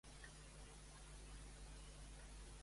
A quina tradició cultural pertany en Borr?